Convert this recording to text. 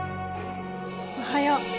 おはよう。